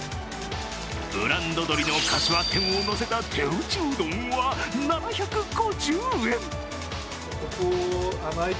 ブランド鶏のかしわ天をのせた手打ちうどんは７５０円。